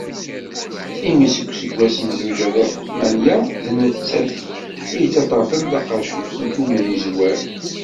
Imi seg useggas n zuǧ alaf u tmanya d nettat i yettaṭṭafen taqacut n umyezwar.